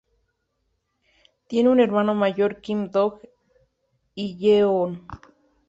Tiene un hermano mayor, Kim Dong-hyeon.